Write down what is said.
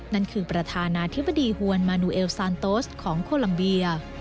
นั่นคือประธานาธิบดีฮวนมานูเอลซานโตสของโคลัมเบีย